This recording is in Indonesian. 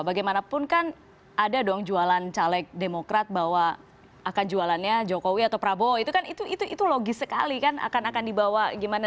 bagaimanapun kan ada dong jualan caleg demokrat bahwa akan jualannya jokowi atau prabowo itu kan itu logis sekali kan akan dibawa gimana